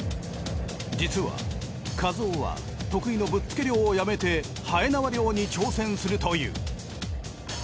実は一夫は得意のぶっつけ漁をやめてはえ縄漁に挑戦するという。